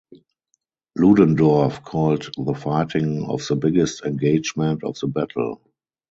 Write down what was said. Ludendorff called the fighting of the biggest engagement of the battle.